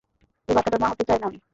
এই বাচ্চাটার মা হতে চাই না আমি!